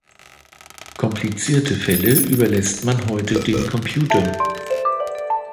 Komplizierte Fälle überlässt man heute dem Computer.